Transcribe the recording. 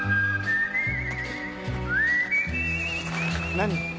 何？